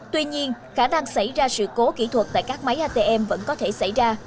tuy nhiên khả năng xảy ra sự cố kỹ thuật tại các máy atm vẫn có thể xảy ra